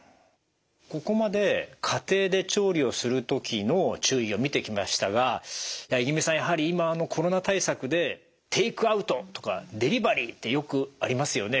ここまで家庭で調理をする時の注意を見てきましたが五十君さんやはり今コロナ対策でテイクアウトとかデリバリーってよくありますよね。